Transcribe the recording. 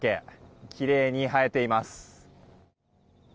きれいに映えています。